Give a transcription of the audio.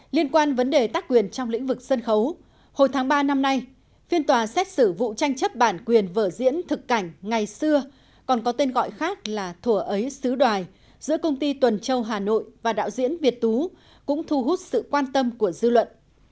liên quan vấn đề tác quyền trong lĩnh vực sân khấu hồi tháng ba năm nay phiên tòa xét xử vụ tranh chấp bản quyền vở diễn thực cảnh ngày xưa còn có tên gọi khác là thủa ấy sứ đoài giữa công ty tuần châu hà nội và đạo diễn việt tú cũng thu hút sự quan tâm của dư luận